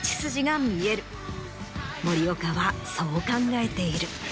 森岡はそう考えている。